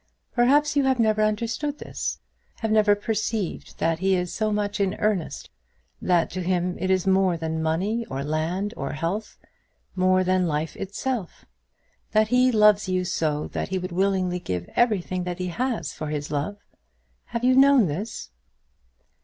Perhaps you have never understood this; have never perceived that he is so much in earnest, that to him it is more than money, or land, or health, more than life itself; that he so loves that he would willingly give everything that he has for his love? Have you known this?"